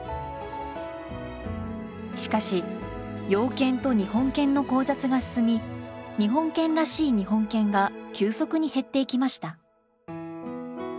しかし洋犬と日本犬の交雑が進み日本犬らしい日本犬が急速に減っていきました。